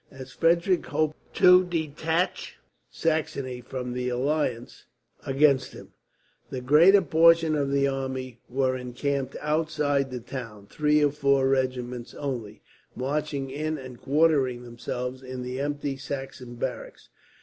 As Frederick hoped to detach Saxony from the alliance against him, the greater portion of the army were encamped outside the town; three or four regiments, only, marching in and quartering themselves in the empty Saxon barracks.